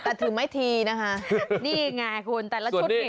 แต่ถึงไม่ทีนะคะนี่ไงคุณแต่ละชุดนี่